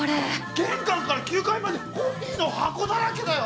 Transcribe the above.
玄関から９階までコピーの箱だらけだよ。